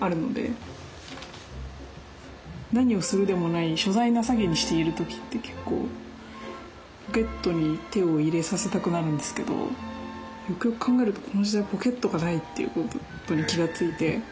何をするでもない所在なさげにしている時って結構ポケットに手を入れさせたくなるんですけどよくよく考えるとこの時代ポケットがないっていうことに気が付いて。